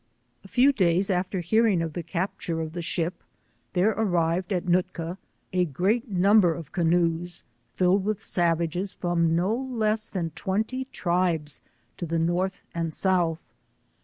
A few days after hearing of the capture of the sMp, there arrived at Nootka a great number of canoes filled with savages from no less than twenty E 42 tribes to the North and South.